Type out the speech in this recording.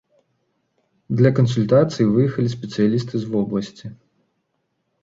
Для кансультацый выехалі спецыялісты з вобласці.